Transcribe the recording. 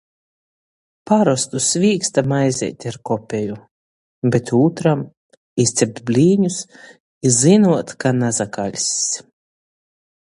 Parostu svīksta maizeiti ar kopeju. Bet ūtram. Izcept blīņus i zynuot, ka nasakaļss.